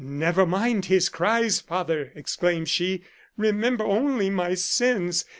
" Never mind his cries, father !" exclaimed she ; "remember only my sins.